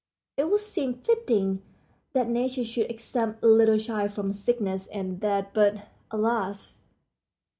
It would seem fitting that nature should exempt little children from sickness and death, but, alas!